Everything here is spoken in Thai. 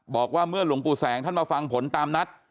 บอกว่าเมื่อหลวงปู่แสงท่านมาฟังผลตามนัด